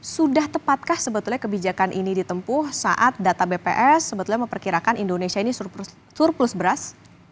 sudah tepatkah sebetulnya kebijakan ini ditempuh saat data bps sebetulnya memperkirakan indonesia ini surplus beras